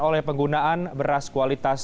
oleh penggunaan beras kualitas